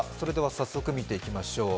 早速見ていきましょう。